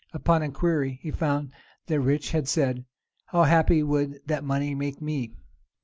Upon inquiry, he found that Rich had said, "How happy would that money make me!"